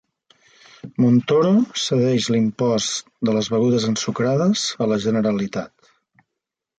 Montoro cedeix l'impost de les begudes ensucrades a la Generalitat